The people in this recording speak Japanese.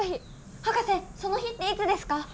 博士その日っていつですか？